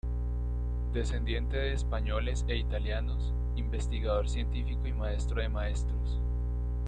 Descendiente de españoles e italianos, investigador científico y maestro de maestros.